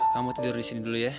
kamu tidur disini dulu ya